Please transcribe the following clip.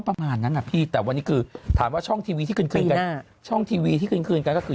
ก็ประมานนั้นน่ะทีแต่วันนี้คือถามว่าช่องทีวีที่คืนคืนกัน